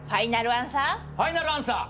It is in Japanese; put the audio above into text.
ファイナルアンサー？